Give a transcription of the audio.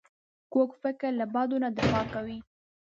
کوږ فکر له بدو نه دفاع کوي